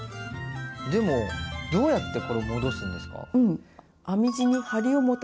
でもどうやってこれを戻すんですか？